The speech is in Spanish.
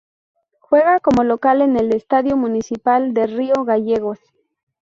Juega como local en el Estadio Municipal de Río Gallegos.